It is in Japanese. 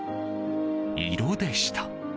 色でした。